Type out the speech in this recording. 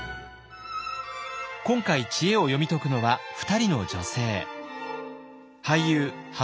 今回知恵を読み解くのは２人の女性。